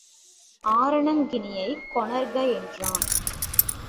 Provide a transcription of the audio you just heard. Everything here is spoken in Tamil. ஆரணங்கினைக் கொணர்க என்றான்.